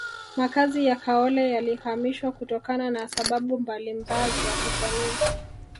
makazi ya kaole yalihamishwa kutokana na sababu mbalimba za kijamii